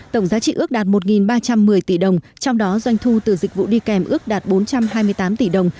tổng giá trị ước đạt một ba trăm một mươi tỷ đồng trong đó doanh thu từ dịch vụ đi kèm ước đạt bốn trăm hai mươi tám tỷ đồng